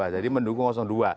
jadi mendukung dua